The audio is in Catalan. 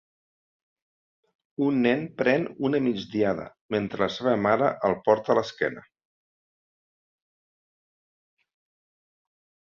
Un nen pren una migdiada mentre la seva mare el porta a l'esquena